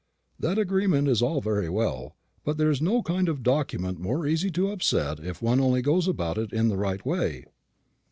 That agreement is all very well; but there is no kind of document more easy to upset if one only goes about it in the right way.